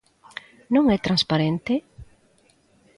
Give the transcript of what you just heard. Non é transparente?